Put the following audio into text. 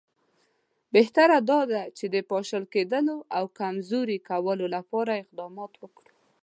بهتره دا ده چې د پاشل کېدلو او کمزوري کولو لپاره اقدامات وکړو.